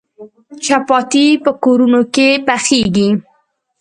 چپاتي په کورونو کې پخیږي.